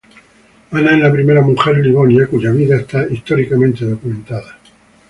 Ana es la primera mujer Livonia, cuya vida está históricamente documentada.